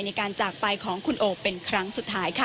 ในการจากไปของคุณโอเป็นครั้งสุดท้ายค่ะ